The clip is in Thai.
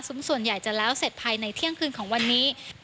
ซึ่งส่วนใหญ่จะแล้วเสร็จภายในเที่ยงคืนของวันนี้